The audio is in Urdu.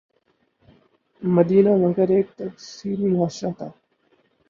مدینہ مگر ایک تکثیری معاشرہ تھا۔